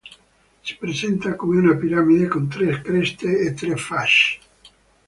Si presenta come una piramide con tre creste e tre facce.